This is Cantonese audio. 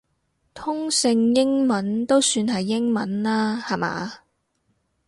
通勝英文都算係英文啦下嘛